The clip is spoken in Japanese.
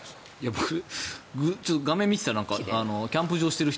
僕、画面を見ていたらキャンプ場をしている人